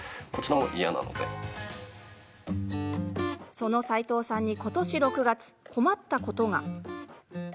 その齋藤さんにことし６月、困ったことが。